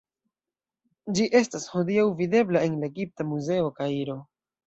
Ĝi estas hodiaŭ videbla en la Egipta Muzeo, Kairo.